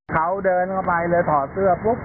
เขาเดินเข้าไปเลยถอดเสื้อปุ๊บ